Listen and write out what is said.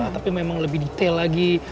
tapi memang lebih detail lagi